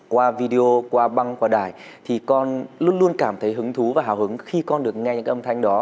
qua video qua băng qua đài thì con luôn luôn cảm thấy hứng thú và hào hứng khi con được nghe những âm thanh đó